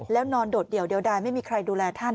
แล้วนอนโดดเดี่ยวเดียวดายไม่มีใครดูแลท่าน